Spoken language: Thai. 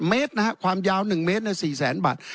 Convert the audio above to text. เมตรนะฮะความยาว๑เมตรใน๔แสนบาท